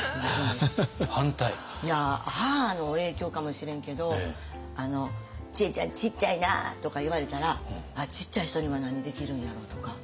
母の影響かもしれんけど「智恵ちゃんちっちゃいな」とか言われたら「ちっちゃい人には何できるんやろ？」とか。